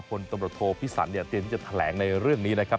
คนตำรวจโทพิสันเนี่ยเตรียมที่จะแถลงในเรื่องนี้นะครับ